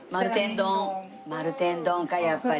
丸天丼かやっぱり。